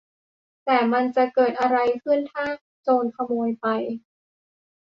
แต่มันจะเกิดอะไรขึ้นถ้าโจรขโมยไป